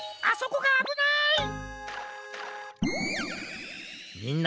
あそこがあぶない！